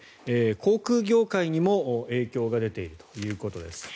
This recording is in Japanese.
航空業界にも影響が出ているということです。